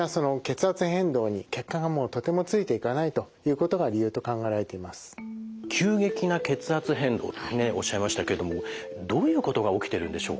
この理由として一方急激な血圧変動とおっしゃいましたけれどもどういうことが起きてるんでしょうか？